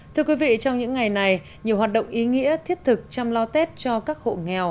thưa quý vị trong những ngày này nhiều hoạt động ý nghĩa thiết thực chăm lo tết cho các hộ nghèo